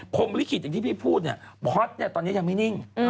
ลิขิตอย่างที่พี่พูดเนี่ยพอร์ตเนี่ยตอนนี้ยังไม่นิ่ง